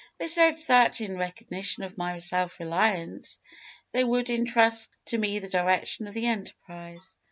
They said that, in recognition of my self reliance, they would entrust to me the direction of the enterprise.